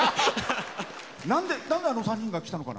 なんで、あの３人が来たのかな？